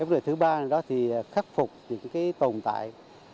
vấn đề thứ ba khắc phục những tồn tại